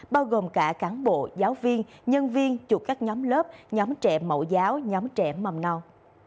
bao gồm cả cán bộ giáo viên nhân viên chụp các nhóm lớp nhóm trẻ mẫu giáo nhóm trẻ mầm non